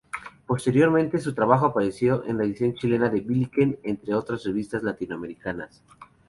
Posteriormente, su trabajo apareció en la edición chilena de "Billiken", entre otras revistas latinoamericanas.